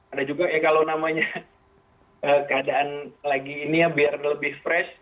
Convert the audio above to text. ada juga ya kalau namanya keadaan lagi ini ya biar lebih fresh